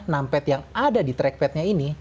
numpad yang ada di trackpad nya ini